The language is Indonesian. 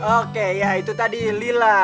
oke ya itu tadi lila